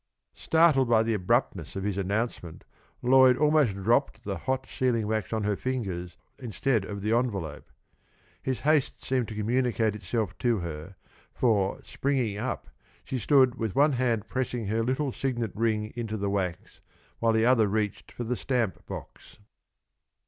Startled by the abruptness of his announcement, Lloyd almost dropped the hot sealing wax on her fingers instead of the envelope. His haste seemed to communicate itself to her, for, springing up, she stood with one hand pressing her little signet ring into the wax, while the other reached for the stamp box.